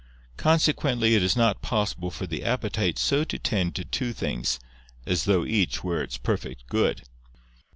Consequently it is not possible for the appetite so to tend to two things, as though each were its perfect good.